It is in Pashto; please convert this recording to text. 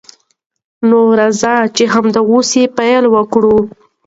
نو راځئ چې همدا اوس پیل وکړو.